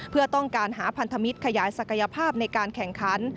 เพื่อต้องการหาพันธมิตรขยายศักยภาพในการแข่งขัน